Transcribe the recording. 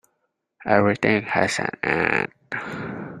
Everything has an end.